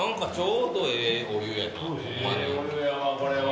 ええお湯やわこれは。